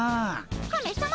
カメさま。